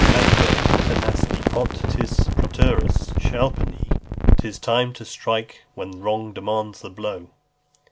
Andr' epamynastai, ote tis proteros chalepaenae. 'Tis time to strike when wrong demands the blow.